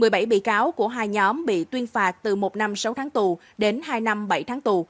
một mươi bảy bị cáo của hai nhóm bị tuyên phạt từ một năm sáu tháng tù đến hai năm bảy tháng tù